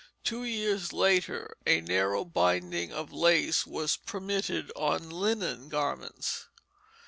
Two years later a narrow binding of lace was permitted on linen garments.